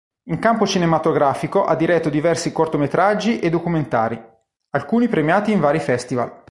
In campo cinematografico ha diretto diversi cortometraggi e documentari, alcuni premiati in vari festival.